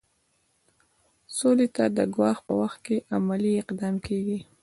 سولې ته د ګواښ په وخت کې عملي اقدام کیږي.